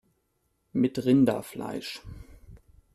Mit Rinderfleisch